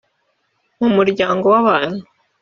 mu muryango w'abantu.